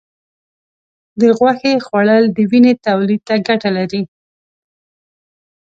د غوښې خوړل د وینې تولید ته ګټه لري.